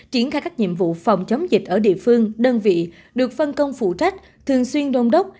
triển khai các nhiệm vụ phòng chống dịch ở địa phương đơn vị được phân công phụ trách thường xuyên đôn đốc